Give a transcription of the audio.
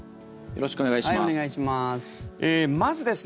よろしくお願いします。